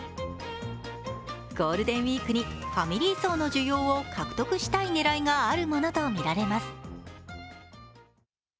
ゴールデンウイークにファミリー層の需要を獲得したい狙いがあるものとみられます。